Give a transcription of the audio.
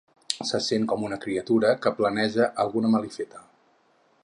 Se sent com una criatura que planeja alguna malifeta.